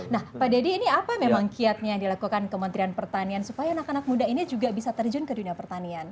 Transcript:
nah pak deddy ini apa memang kiatnya yang dilakukan kementerian pertanian supaya anak anak muda ini juga bisa terjun ke dunia pertanian